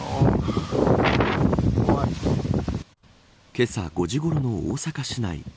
けさ５時ごろの大阪市内。